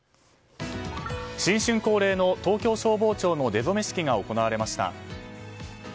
新春恒例の東京消防庁の出初め式が行われました。